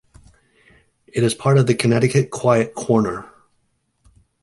It is part of the Connecticut Quiet Corner.